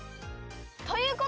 ということで